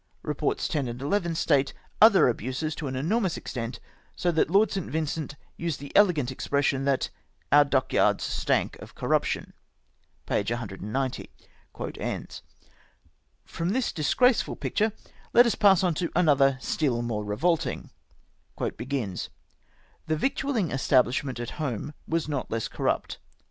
"Eeports 10 and 11 state other abuses to an enormous extent, so that Lord St. Vincent used the elegant expression that 'ou7' dockyards stank of corruption.'^" — (p. 190.) From this disgraceful picture let us pass on to another still more revolting :—" The victualling establishment at home was not less cor rupt.